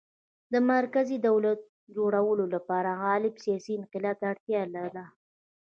د مرکزي دولت جوړولو لپاره غالباً سیاسي انقلاب ته اړتیا ده